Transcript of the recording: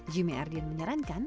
jamie ardian menyarankan